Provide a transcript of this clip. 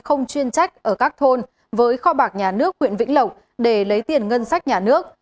không chuyên trách ở các thôn với kho bạc nhà nước huyện vĩnh lộc để lấy tiền ngân sách nhà nước